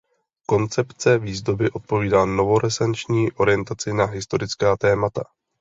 Koncepce výzdoby odpovídá novorenesanční orientaci na historická témata.